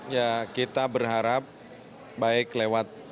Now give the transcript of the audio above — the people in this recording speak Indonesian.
ya kita berharap baik lewat